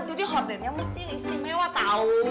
jadi hordennya mesti istimewa tau